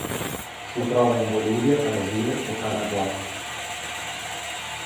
Si trova in Bolivia, Brasile e Paraguay.